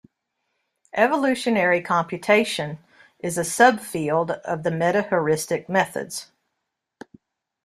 Evolutionary computation is a sub-field of the metaheuristic methods.